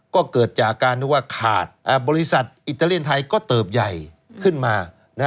ก็เกิดจากการที่ว่าขาดบริษัทอิตาเลียนไทยก็เติบใหญ่ขึ้นมา